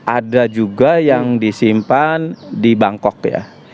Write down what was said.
ada juga yang disimpan di bangkok ya